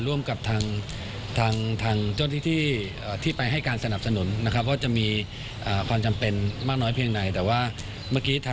ร่วมกับทางเจ้าหน้าที่ไปให้การสนับสนุนนะครับ